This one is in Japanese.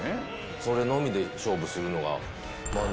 それのみで勝負するのが漫才